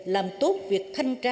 làm tốt việc thanh toán